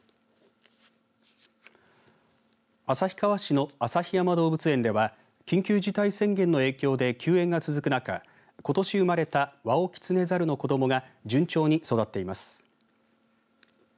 旭川市の旭山動物園では緊急事態宣言の影響で休園が続く中ことしうまれたワオキツネザルの子どもが順調に育っています。